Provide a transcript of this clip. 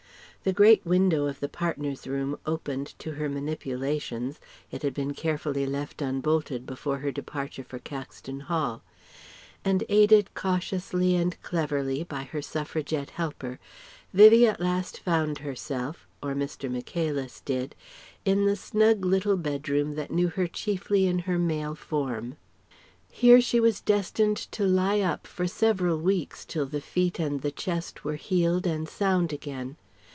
The great window of the partners' room opened to her manipulations it had been carefully left unbolted before her departure for Caxton Hall; and aided cautiously and cleverly by her suffragette helper, Vivie at last found herself or Mr. Michaelis did in the snug little bedroom that knew her chiefly in her male form. Here she was destined to lie up for several weeks till the feet and the chest were healed and sound again.